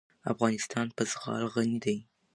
افغانستان په زغال غني دی.